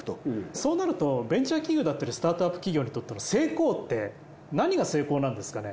そうなるとベンチャー企業だったりスタートアップ企業にとったら成功って何が成功なんですかね。